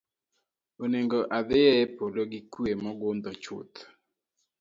Oneg’ adhiyo e polo gi kuwe mogundho chuth.